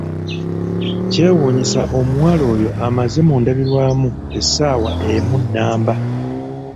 Kyewuunyisa omuwala oyo amaze mu ndabirwamu essaawa emu nnamba.